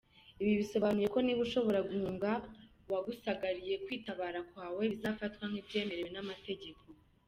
Ibi bisobanuye ko niba ushobora guhunga uwagusagariye kwitabara kwawe bitazafatwa nk’ibyemewe n’amategeko.